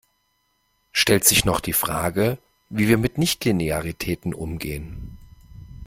Stellt sich noch die Frage, wie wir mit Nichtlinearitäten umgehen.